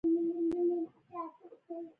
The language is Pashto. دا حالت د افغانستان د ولس